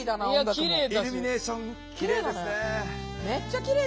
イルミネーションきれいですね。